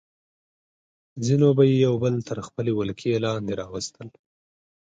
ځینو به یې یو بل تر خپلې ولکې لاندې راوستل.